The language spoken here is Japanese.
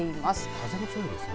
風が強いんですね。